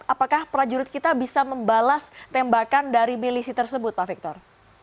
apakah prajurit kita bisa membalas tembakan dari milisi tersebut pak victor